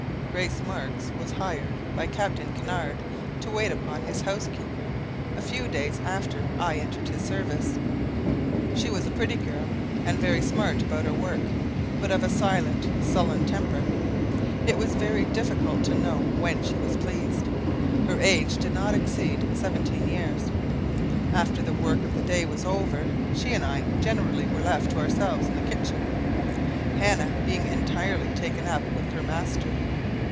"Grace Marks was hired by Captain Kinnaird to wait upon his housekeeper, a few days after I entered his service. She was a pretty girl, and very smart about her work, but of a silent, sullen temper. It was very difficult to know when she was pleased. Her age did not exceed seventeen years. After the work of the day was over, she and I generally were left to ourselves in the kitchen, Hannah being entirely taken up with her master.